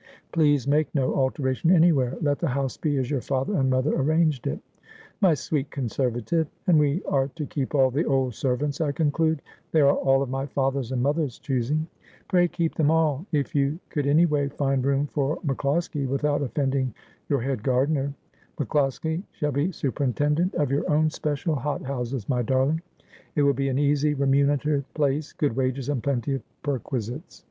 ' Please make no alteration anywhere. Let the house be as your father and mother arranged it.' ' My sweet conservative ! And we are to keep all the old servants, I conclude. They are all of my father's and mothers choosing.' ' Pray keep them all. If you could any way find room for MacCloskie, without offending your head gardener '' MacCloskie shall be superintendent of your own special hot ^And Spending Silver had He right Ynow! 117 houses, my darling. It will be an easy, remunerative place — good wages and plenty of perquisites.'